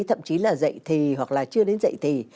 thậm chí là dậy thì hoặc là chưa đến dậy thì